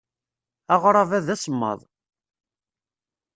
Aɣrab-a d asemmaḍ.